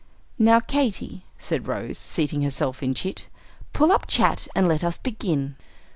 "Now, Katy," said Rose, seating herself in "Chit," "pull up 'Chat' and let us begin."